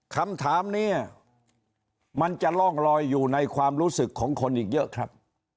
คำถามนี้มันจะร่องลอยอยู่ในความรู้สึกของคนอีกเยอะครับ